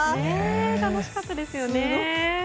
楽しかったですよね。